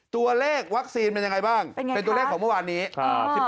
ตัวเลขวัคซีนเป็นยังไงบ้างเป็นตัวเลขของเมื่อวานนี้